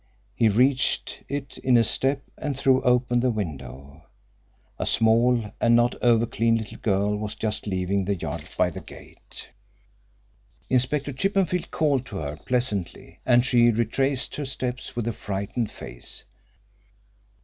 He reached it in a step and threw open the window. A small and not over clean little girl was just leaving the yard by the gate. Inspector Chippenfield called to her pleasantly, and she retraced her steps with a frightened face.